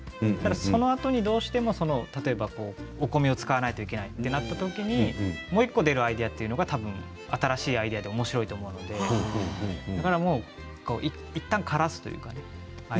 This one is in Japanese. それからどうしてもお米を使わないといけないとなったときにもう１個出るアイデアというのが新しいアイデアとしておもしろいと思いますのでいったん、からすというかね。